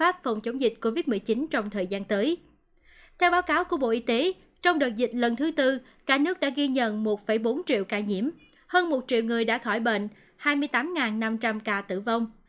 theo báo cáo của bộ y tế trong đợt dịch lần thứ tư cả nước đã ghi nhận một bốn triệu ca nhiễm hơn một triệu người đã khỏi bệnh hai mươi tám năm trăm linh ca tử vong